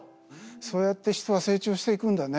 そうやって人は成長していくんだね。